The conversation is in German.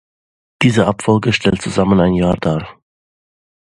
Diese Abfolge stellt zusammen ein Jahr dar.